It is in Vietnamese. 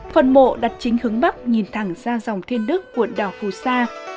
phần mộ đặt chính hướng bắc nhìn thẳng ra dòng thiên đức của đảo phù sa